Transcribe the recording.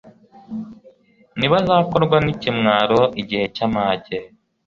ntibazakorwa n'ikimwaro igihe cy'amage